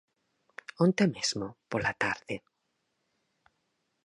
Onte mesmo, pola tarde.